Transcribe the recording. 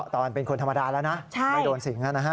ตอนเป็นคนธรรมดาแล้วนะไม่โดนสิงนะฮะ